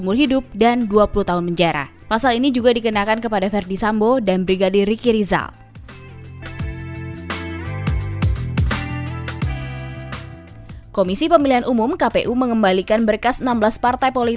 nanti untuk prasangka pasalnya nanti dari penyidik yang akan menjelaskan